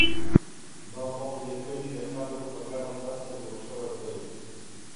دا باغ د کلي د خلکو په ګډه مرسته جوړ شوی دی.